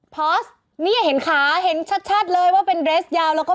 พอสนี่เห็นค้าเห็นชัดเลยว่าเป็นเดสต์ยาวแล้วก็ค้า